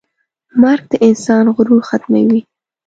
مرګ د انسان غرور ختموي.